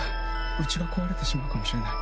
うちが壊れてしまうかもしれない。